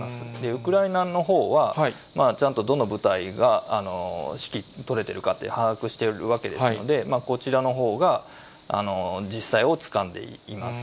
ウクライナのほうは、ちゃんとどの部隊が指揮執れているかと把握しているわけですので、こちらのほうが実際をつかんでいます。